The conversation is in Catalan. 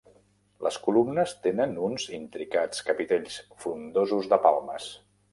Les columnes tenen uns intricats capitells frondosos de palmes.